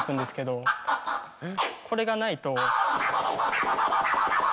これがないと。